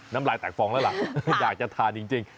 น้ำลายแตกฟองแล้วล่ะอยากจะทานจริง